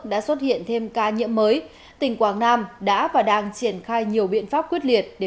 đã xuất hiện thêm ca nhiễm mới tỉnh quảng nam đã và đang triển khai nhiều biện pháp quyết liệt